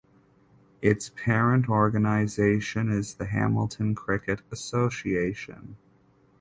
Its parent organisation is the Hamilton Cricket Association.